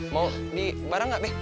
mau di barang nggak deh